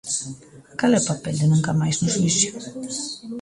Cal é o papel de Nunca Máis no xuízo?